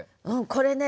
これね